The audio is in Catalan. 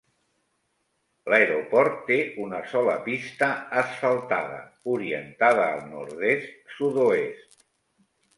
L'aeroport té una sola pista asfaltada orientada al nord-est sud-oest.